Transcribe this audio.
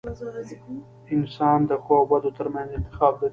• انسان د ښو او بدو ترمنځ انتخاب لري.